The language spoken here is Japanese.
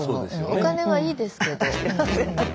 お金もいいですけど。